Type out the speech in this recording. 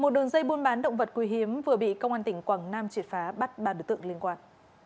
một đường dây buôn bán động vật quý hiếm vừa bị công an tỉnh quảng nam triệt phá bắt ba đối tượng liên quan